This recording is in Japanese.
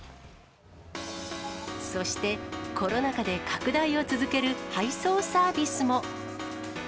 そして、コロナ禍で拡大を続ける配送サービスも。